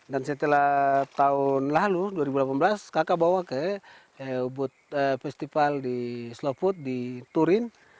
dan setelah tahun lalu dua ribu delapan belas kakak bawa ke festival di slow food di turin